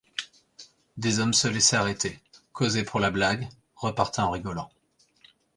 Des hommes se laissaient arrêter, causaient pour la blague, repartaient en rigolant.